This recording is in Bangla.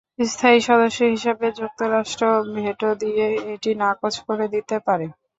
স্থায়ী সদস্য হিসেবে যুক্তরাষ্ট্র ভেটো দিয়ে এটি নাকচ করে দিতে পারে।